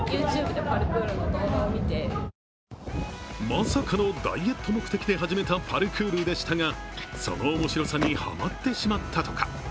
まさかのダイエット目的で始めたパルクールでしたがその面白さにハマってしまったとか。